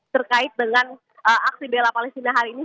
terkait dengan aksi bela palestina hari ini